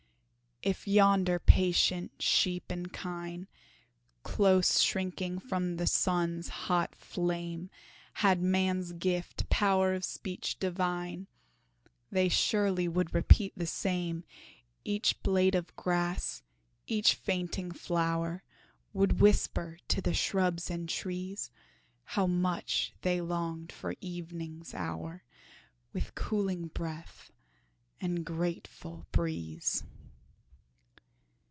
If yonder patient sheep and kine, Close shrinking from the sun's hot flame, Had man's gift "power of speech divine," They surely would repeat the same Each blade of grass, each fainting flower, Would whisper to the shrubs and trees, How much they longed for evening's hour, With cooling breath and grateful breeze.